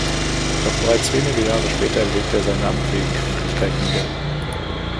Doch bereits wenige Jahre später legte er sein Amt wegen Kränklichkeit nieder.